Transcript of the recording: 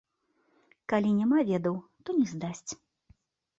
Калі няма ведаў, то не здасць.